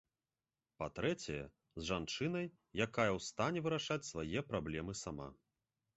Па-трэцяе, з жанчынай, якая ў стане вырашаць свае праблемы сама.